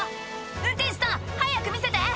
運転手さん早く見せて」